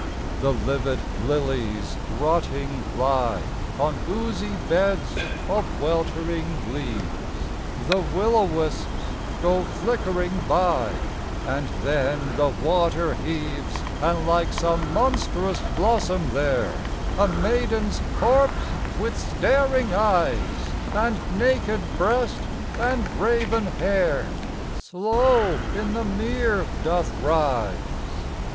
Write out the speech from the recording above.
The livid lilies rotting lie On oozy beds of weltering leaves; The will o' wisps go flickering by, And then the water heaves, And, like some monstrous blossom there, A maiden's corpse with staring eyes, And naked breast and raven hair, Slow in the mere doth rise.